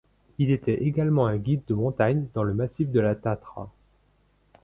Il était également un guide de montagne dans le massif de la Tatra.